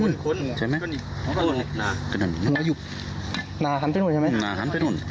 อืมคนจริงคนใช่ไหมหน่าหน่าหันไปหน่อยใช่ไหมหน่าหันไปหนึ่ง